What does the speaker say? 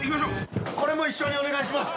これも一緒にお願いします。